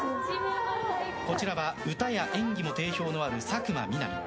こちらは歌や演技に定評のある佐久間みなみ。